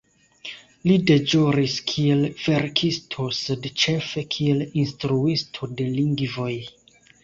Li deĵoris kiel verkisto sed ĉefe kiel instruisto de lingvoj.